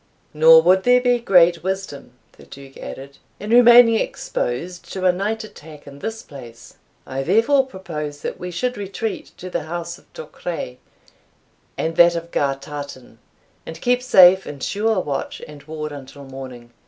"Nor would there be great wisdom," the Duke added, "in remaining exposed to a night attack in this place. I therefore propose that we should retreat to the house of Duchray and that of Gartartan, and keep safe and sure watch and ward until morning.